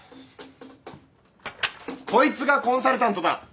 こいつがコンサルタントだ。